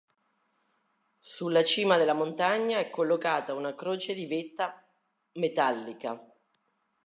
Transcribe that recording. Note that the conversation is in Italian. Sulla cima della montagna è collocata una croce di vetta metallica.